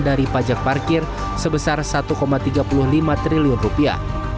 dari pajak parkir sebesar satu tiga puluh lima triliun rupiah